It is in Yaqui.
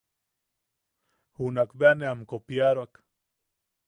Junak bea ne am kopiaroak.